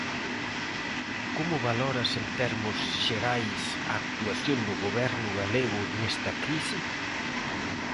Como valoras en termos xerais a actuación do Goberno galego nesta crise?